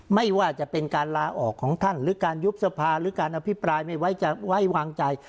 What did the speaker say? ไม่ว่าจะเป็นการลาออกของท่านหรือการยุบสภาหรือการอภิปรายไม่ไว้วางใจ